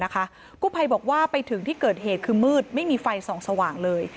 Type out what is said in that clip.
กู้ภัยบอกว่าไปถึงที่เกิดเหตุคือมืดไม่มีไฟส่องสว่างเลย